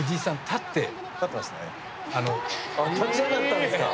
立ち上がったんですか？